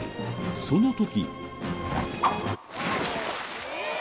その時。